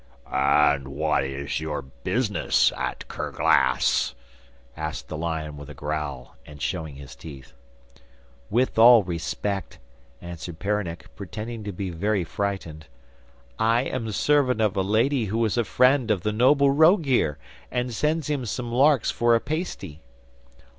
'And what is your business at Kerglas?' asked the lion with a growl, and showing his teeth. 'With all respect,' answered Peronnik, pretending to be very frightened, 'I am the servant of a lady who is a friend of the noble Rogear and sends him some larks for a pasty.